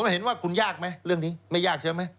เห็นว่าคุณยากไหมเรื่องนี้ไม่ยากใช่ไหม